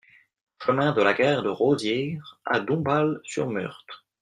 Chemin de la Gare de Rosières à Dombasle-sur-Meurthe